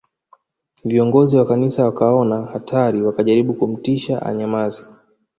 Viongozi wa Kanisa wakaona hatari wakajaribu kumtisha anyamaze